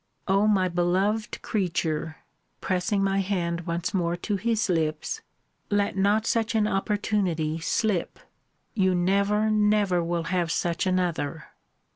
O my beloved creature! pressing my hand once more to his lips, let not such an opportunity slip. You never, never will have such another.